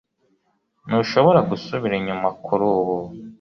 Ntushobora gusubira inyuma kuri ubu